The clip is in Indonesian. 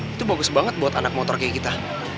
itu bagus banget buat anak motor kayak kita